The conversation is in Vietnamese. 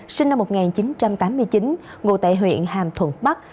sinh năm một nghìn chín trăm tám mươi chín ngụ tại huyện hàm thuận bắc